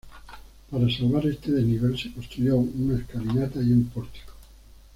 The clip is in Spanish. Para salvar ese desnivel se construyó una escalinata y un pórtico.